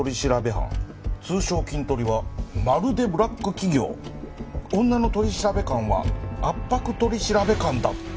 通称キントリはまるでブラック企業」「女の取調官は圧迫取調官だった！」